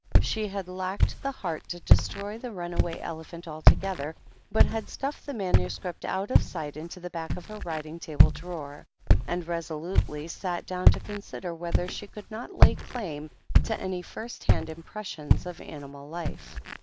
She had lacked the heart to destroy the nmaway elephant altogether, but had stuffed the manuscript out of sight into the back of her writing table drawer, and resolutely sat down to consider whether she could not lay claim to any first hand impressions of animal life.